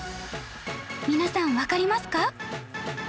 皆さんわかりますか？